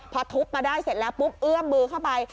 พอทุบมาได้เสร็จแล้วปุ๊บเอื้อมมือเข้าไป